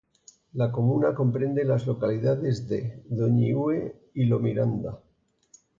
La comuna comprende las localidades de: Doñihue y Lo Miranda.